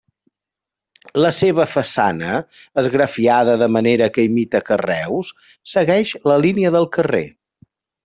La seva façana -esgrafiada de manera que imita carreus- segueix la línia del carrer.